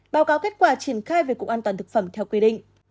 báo cáo kết quả triển khai về cục an toàn thực phẩm theo quy định